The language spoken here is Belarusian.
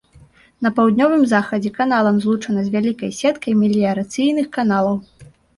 На паўднёвым захадзе каналам злучана з вялікай сеткай меліярацыйных каналаў.